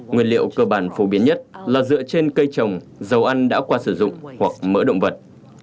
nguyên liệu cơ bản phổ biến nhất là dựa trên cây trồng dầu ăn đã qua sử dụng hoặc mỡ động vật